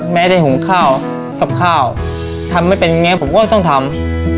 แม่ได้หุงข้าวกับข้าวทำไม่เป็นอย่างนี้ผมก็ต้องทำ